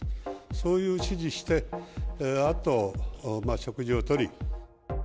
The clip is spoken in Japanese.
そういう指示して、あと食事をとり。